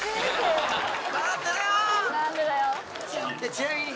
ちなみに。